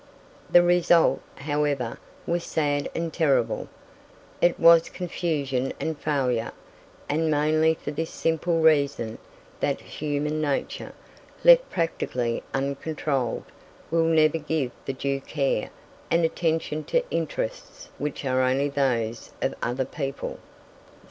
The result, however, was sad and terrible. It was confusion and failure, and mainly for this simple reason that human nature, left practically uncontrolled, will never give the due care and attention to interests which are only those of other people.